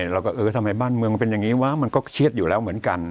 เราก็เออทำไมบ้านเมืองมันเป็นอย่างนี้วะมันก็เครียดอยู่แล้วเหมือนกัน